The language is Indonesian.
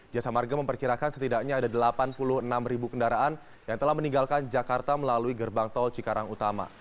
jasa marga memperkirakan setidaknya ada delapan puluh enam ribu kendaraan yang telah meninggalkan jakarta melalui gerbang tol cikarang utama